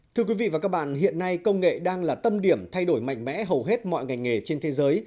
thưa quý vị và các bạn hiện nay công nghệ đang là tâm điểm thay đổi mạnh mẽ hầu hết mọi ngành nghề trên thế giới